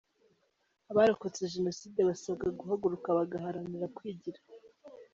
Abarokotse Jenoside basabwa guhaguruka bagaharanira kwigira.